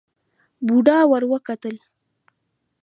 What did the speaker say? بوډا ور وکتل.